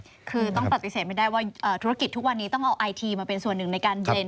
คือต้องปฏิเสธไม่ได้ว่าธุรกิจทุกวันนี้ต้องเอาไอทีมาเป็นส่วนหนึ่งในการเรนด